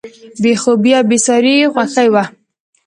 بې خوبي او بېساري خوښي وه.